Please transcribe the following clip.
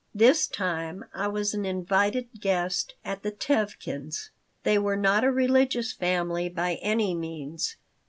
This time I was an invited guest at the Tevkins'. They were not a religious family by any means.